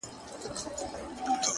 • د ژوند كولو د ريښتني انځور،